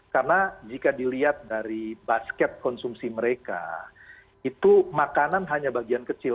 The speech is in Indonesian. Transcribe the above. karena jika dilihat dari basket konsumsi mereka itu makanan hanya bagian kecil